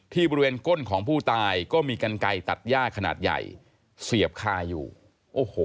บริเวณก้นของผู้ตายก็มีกันไก่ตัดย่าขนาดใหญ่เสียบคาอยู่โอ้โห